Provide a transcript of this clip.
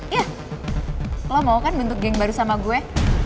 ya lo mau kan bentuk geng baru sama gue